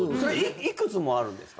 幾つもあるんですか？